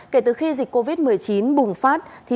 kể từ khi dịch covid một mươi chín bùng phát